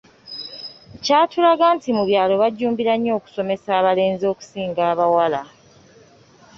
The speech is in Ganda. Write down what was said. Kyatulaga nti mu byalo bajjumbira nnyo okusomesa abalenzi okusinga abawala.